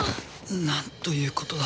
なんということだ。